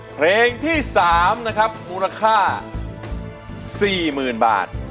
เพลงที่๓นะครับมูลค่า๔๐๐๐บาท